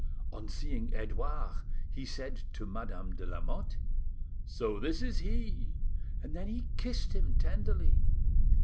On seeing Edouard, he said to Madame de Lamotte— "'So this is he?' and he then kissed him tenderly.